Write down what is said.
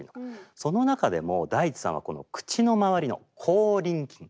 その中でもＤａｉｃｈｉさんはこの口のまわりの口輪筋